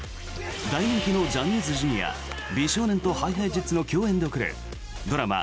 大人気のジャニーズＪｒ．美少年とＨｉＨｉＪｅｔｓの共演で送るドラマ